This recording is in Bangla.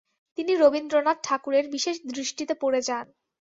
তিনি রবীন্দ্রনাথ ঠাকুরের বিশেষ দৃষ্টিতে পড়ে যান।